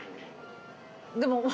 でも。